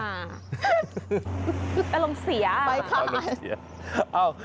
อารมณ์เสียไปผ่าน